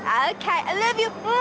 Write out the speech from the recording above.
oke aku cintamu